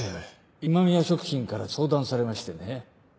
今宮食品から相談されましてね。